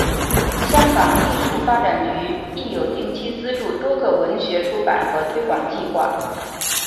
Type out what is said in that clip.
香港艺术发展局亦有定期资助多个文学出版和推广计划。